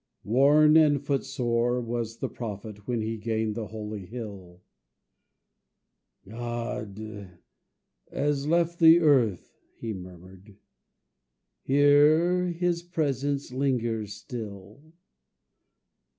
Worn and footsore was the Prophet, When he gained the holy hill; "God has left the earth," he murmured, "Here his presence lingers still.